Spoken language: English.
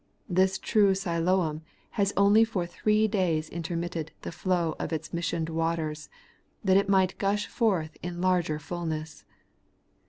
This true Siloam has only for three days intermitted the flow of its missioned waters, that it might gush forth in larger fulness.